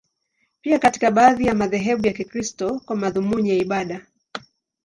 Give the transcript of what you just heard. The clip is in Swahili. Pia katika baadhi ya madhehebu ya Kikristo, kwa madhumuni ya ibada.